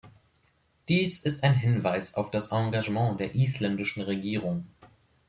Dies ist ein Hinweis auf das Engagement der isländischen Regierung.